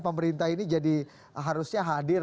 pemerintah ini jadi harusnya hadir